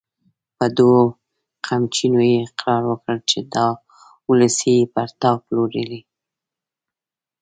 په دوو قمچينو يې اقرار وکړ چې دا وسلې يې پر تا پلورلې!